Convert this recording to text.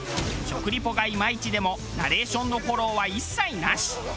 食リポがイマイチでもナレーションのフォローは一切なし！